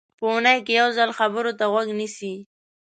په اوونۍ کې یو ځل خبرو ته غوږ نیسي.